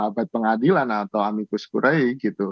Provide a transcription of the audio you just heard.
ya lewat sahabat pengadilan atau amicus curiae gitu